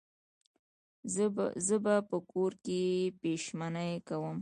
زه به په کور کې پیشمني کوم